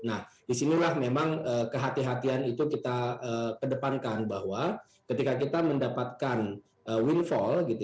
nah disinilah memang kehatian kehatian itu kita kedepankan bahwa ketika kita mendapatkan windfall